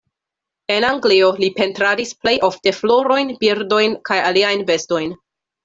En Anglio li pentradis plej ofte florojn, birdojn kaj aliajn bestojn.